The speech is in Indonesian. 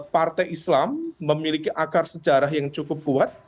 partai islam memiliki akar sejarah yang cukup kuat